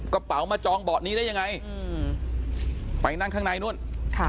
กระเป๋ามาจองเบาะนี้ได้ยังไงอืมไปนั่งข้างในนู่นค่ะ